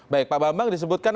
baik pak bambang disebutkan